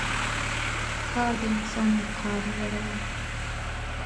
کار د انسان وقار لوړوي.